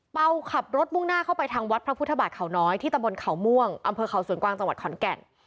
เป่าขับรถมุ่งหน้าเข้าไปทางวัดพระพุทธบาทเขาน้อยที่ตะบนเขาม่วงอำเภอเขาสวนกวางจังหวัดขอนแก่น